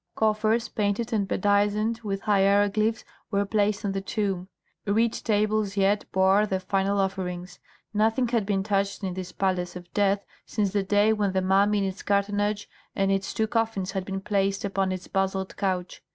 Coffers painted and bedizened with hieroglyphs were placed on the tomb; reed tables yet bore the final offerings. Nothing had been touched in this palace of death since the day when the mummy in its cartonnage and its two coffins had been placed upon its basalt couch.